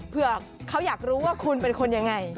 เผื่อเขาอยากรู้ว่าคุณเป็นคนยังไง